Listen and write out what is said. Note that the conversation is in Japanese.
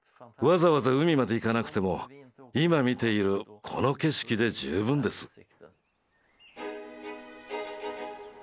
わざわざ海まで行かなくても今見ているこの景色で十分です。